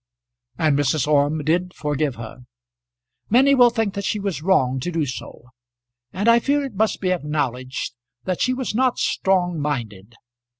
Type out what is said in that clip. And Mrs. Orme did forgive her. Many will think that she was wrong to do so, and I fear it must be acknowledged that she was not strong minded.